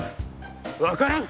分からん。